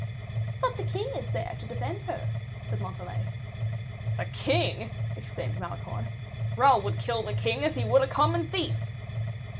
"But the king is there to defend her," said Montalais. "The king!" exclaimed Malicorne; "Raoul would kill the king as he would a common thief."